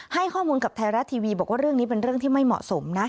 ให้ข้อมูลกับไทยรัฐทีวีบอกว่าเรื่องนี้เป็นเรื่องที่ไม่เหมาะสมนะ